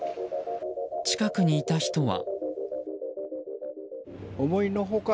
近くにいた人は。